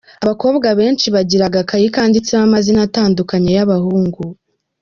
’Abakobwa benshi bagira agakayi kanditsemo amazina atandukanye y’abahungu.